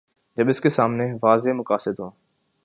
جب اس کے سامنے واضح مقاصد ہوں۔